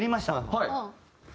はい。